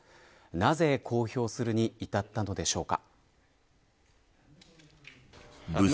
なぜ公表するに至ったのでしょうか。